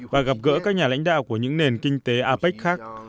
và gặp gỡ các nhà lãnh đạo của những nền kinh tế apec khác